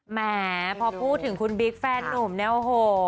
แหมพอพูดถึงคุณบิ๊กแฟนนุ่มเนี่ยโอ้โห